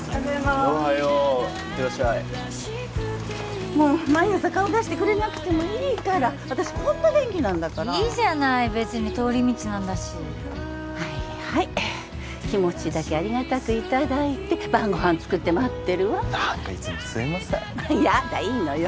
おはよう行ってらっしゃいもう毎朝顔出してくれなくてもいいから私こんな元気なんだからいいじゃないべつに通り道なんだしはいはい気持ちだけありがたくいただいて晩ご飯作って待ってるわ何かいつもすいませんやだいいのよ